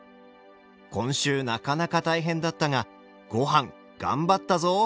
今週なかなか大変だったがご飯頑張ったぞー！